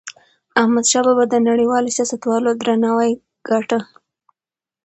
احمدشاه بابا د نړیوالو سیاستوالو درناوی ګاټه.